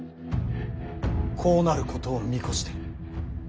こうなることを見越して。